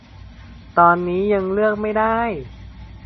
ตอนนี้ก็ยังเลือกไม่ได้